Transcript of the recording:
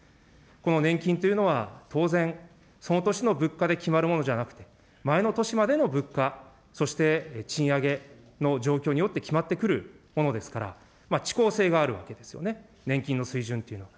この年金というのは、当然、その年の物価で決まるものじゃなくて、前の年までの物価、そして賃上げの状況によって決まってくるものですから、遅行性があるわけですよね、年金の水準というのは。